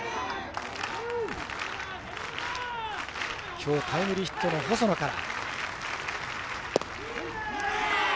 きょうタイムリーヒットの細野から。